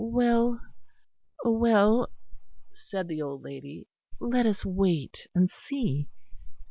"Well, well," said the old lady, "let us wait and see.